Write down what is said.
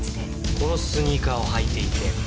このスニーカーを履いていて。